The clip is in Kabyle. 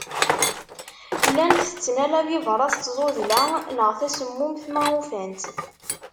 Llan tetten ala bibṛas d tzuḍla neɣ tasemmumt ma ufan-tt.